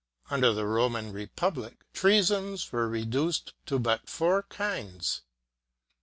Under the Roman republic treasons were reduced to but four kinds, viz.